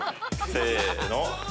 せの！